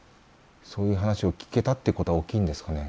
そういう話を聞けたってことは大きいんですかね？